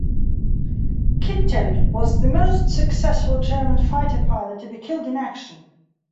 Kittel was the most successful German fighter pilot to be killed in action.